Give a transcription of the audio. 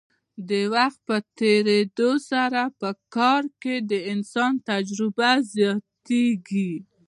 د وخت په تیریدو سره په کار کې د انسان تجربه زیاتیږي.